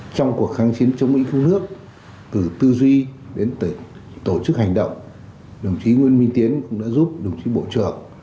trong cuộc kháng chiến chống mỹ cứu nước từ tư duy đến từ tổ chức hành động đồng chí nguyễn minh tiến cũng đã giúp đồng chí bộ trưởng